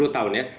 sepuluh tahun ya